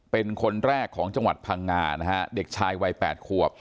เป็นคนแรกของจังหวัดพังงานะฮะเด็กชายวัย๘ขวบ